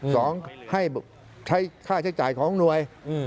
สองให้ใช้ค่าใช้จ่ายของหน่วย